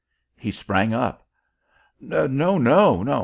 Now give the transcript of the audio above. He sprang up. "No, no